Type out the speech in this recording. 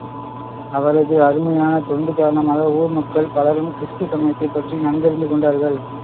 அவரது அருமையான தொண்டு காரணமாக ஊர்மக்கள் பலரும் கிறிஸ்து சமயத்தைப் பற்றி நன்கறிந்து கொண்டார்கள்.